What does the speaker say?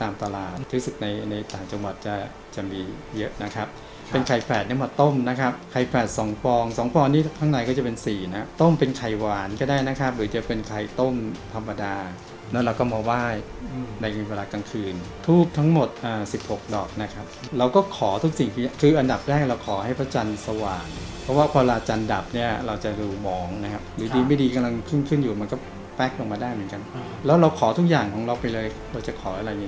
มาต้มนะครับไข่แปดสองฟองสองฟองนี่ข้างในก็จะเป็นสี่นะครับต้มเป็นไข่หวานก็ได้นะครับหรือจะเป็นไข่ต้มธรรมดาแล้วเราก็มาว่ายในเวลากลางคืนทูบทั้งหมดอ่าสิบหกดอกนะครับเราก็ขอทุกสิ่งคืออันดับแรกเราขอให้พระจันทรสว่างเพราะว่าพอพระจันทรดับเนี้ยเราจะรู้หมองนะครับหรือดีไม่ดีกำลังขึ้น